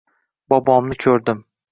Bobomni ko’rdim.